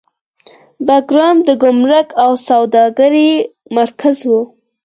بګرام د ګمرک او سوداګرۍ مرکز و